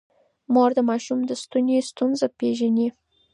مور د ماشوم د ستوني ستونزه پېژني.